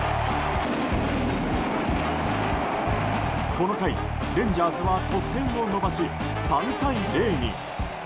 この回、レンジャーズは得点を伸ばし３対０に。